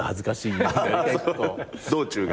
道中が。